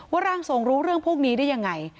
ร่างทรงรู้เรื่องพวกนี้ได้ยังไง